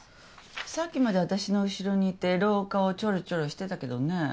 さっきまであたしの後ろにいて廊下をちょろちょろしてたけどね。